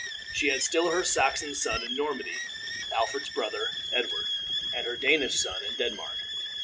She had still her Saxon son in Normandy, Alfred's brother Edward, and her Danish son in Denmark.